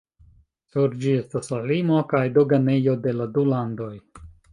Sur ĝi estas la limo kaj doganejo de la du landoj.